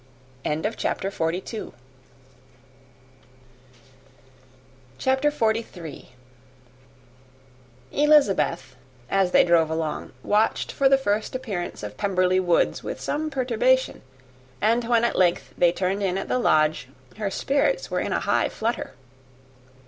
[Illustration: "Conjecturing as to the date" ] CHAPTER XLIII. Elizabeth, as they drove along, watched for the first appearance of Pemberley Woods with some perturbation; and when at length they turned in at the lodge, her spirits were in a high flutter.